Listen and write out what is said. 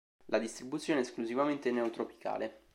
La distribuzione è esclusivamente neotropicale.